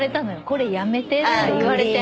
これやめてって言われて。